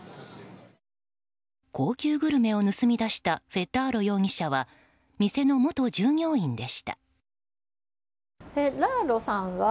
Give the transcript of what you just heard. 高級グルメを盗み出したフェッラーロ容疑者は店の元従業員でした。